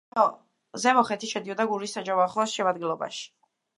ზემო ხეთი შედიოდა გურიის საჯავახოს შემადგენლობაში.